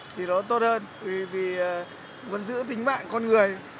thì nó tốt hơn vì vẫn giữ tính mạng con người